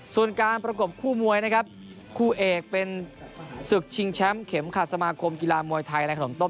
ส่วนการประกบคู่มวยนะครับคู่เอกเป็นศึกชิงแชมป์เข็มขัดสมาคมกีฬามวยไทยในขนมต้ม